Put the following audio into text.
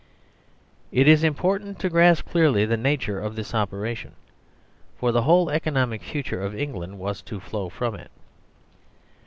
It is important to grasp clearly the nature of this operation, for the whole economic future of England was to flow from it.